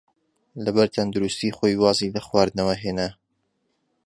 لەبەر تەندروستیی خۆی وازی لە خواردنەوە هێنا.